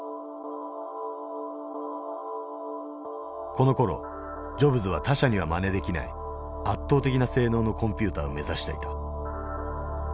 このころジョブズは他社にはまねできない圧倒的な性能のコンピューターを目指していた。